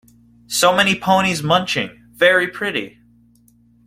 So many ponies munching; very pretty!